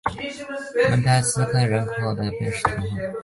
蒙泰斯科人口变化图示